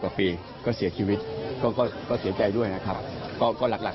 กว่าปีก็เสียชีวิตก็ก็เสียใจด้วยนะครับก็ก็หลักหลัก